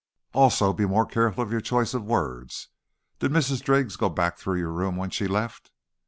"Also, be more careful of your choice of words. Did Mrs. Driggs go back through your room when she left?"